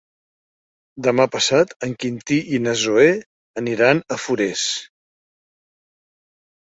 Demà passat en Quintí i na Zoè aniran a Forès.